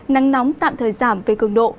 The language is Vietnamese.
nắng nóng tạm thời giảm về cường độ